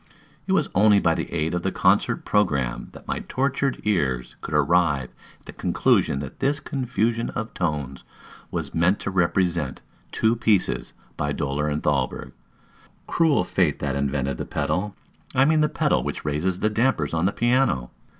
It was only by the aid of the concert programme that my tortured ears could arrive at the conclusion that this confusion of tones was meant to represent two pieces by Döhler and Thalberg. Cruel fate that invented the pedal! I mean the pedal which raises the dampers on the piano.